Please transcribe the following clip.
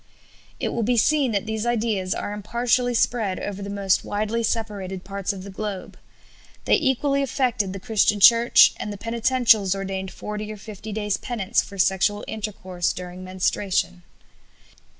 " It will be seen that these ideas are impartially spread over the most widely separated parts of the globe. They equally affected the Christian Church, and the Penitentials ordained forty or fifty days penance for sexual intercourse during menstruation.